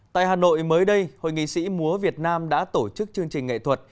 tại hà nội mới đây hội nghị sĩ múa việt nam đã tổ chức chương trình nghệ thuật